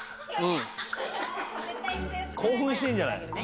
興奮してんじゃない。